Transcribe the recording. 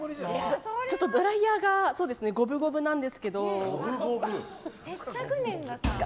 ドライヤーが五分五分なんですけど。